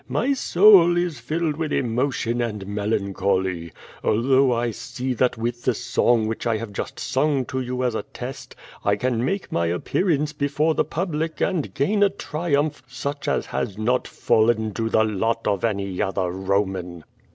"My soul is filled with emotion and mel ancholy. Although 1 see that with the song which I have just sung to you as a test, I can make my appearance before the public and gain a triumph such as has not fallen to the lot of anv other Roman."